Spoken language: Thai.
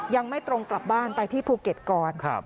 ยังไม่ตรงกลับบ้านไปที่ภูเก็ตก่อน